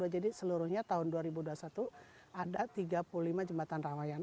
jadi seluruhnya tahun dua ribu dua puluh satu ada tiga puluh lima jembatan rawayan